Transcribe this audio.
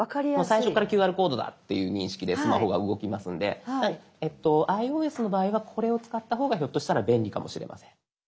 最初から「ＱＲコードだ」っていう認識でスマホが動きますのでｉＯＳの場合はこれを使った方がひょっとしたら便利かもしれません。